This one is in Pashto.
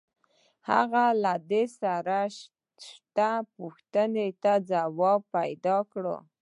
هغه له ده سره شته پوښتنو ته ځواب پیدا کړ